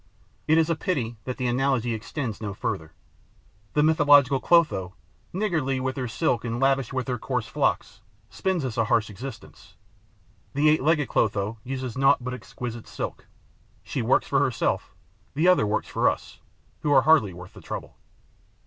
It is a pity that the analogy extends no further. The mythological Clotho, niggardly with her silk and lavish with her coarse flocks, spins us a harsh existence; the eight legged Clotho uses naught but exquisite silk. She works for herself; the other works for us, who are hardly worth the trouble.